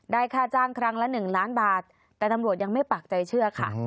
ค่าจ้างครั้งละ๑ล้านบาทแต่ตำรวจยังไม่ปากใจเชื่อค่ะ